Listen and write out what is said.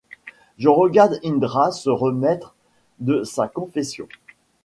Je regarde Indra se remettre de sa confession.